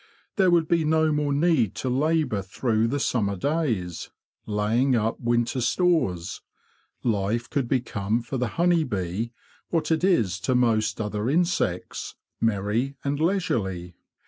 There would be no more need to labour through the summer days, laying up winter stores. Life could become for the honey bee what it is to most other insects—merry and leisurely.